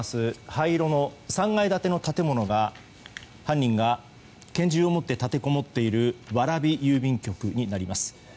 灰色の３階建ての建物が犯人が拳銃を持って立てこもっている蕨郵便局になります。